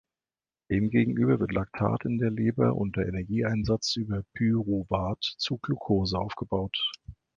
Demgegenüber wird Lactat in der Leber unter Energieeinsatz über Pyruvat zu Glucose aufgebaut.